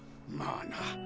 まあな。